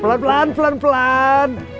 pelan pelan pelan pelan